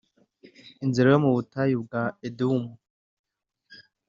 inzira yo mu butayu bwa Edomu